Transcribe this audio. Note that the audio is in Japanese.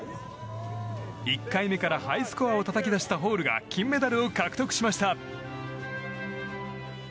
１回目からハイスコアをたたき出したホールが金メダルを獲得しました！